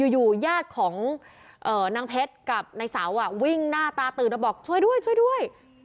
อยู่ยากของนางเพชรกับนายเสาวิ่งหน้าตาตื่นแล้วบอกช่วยด้วย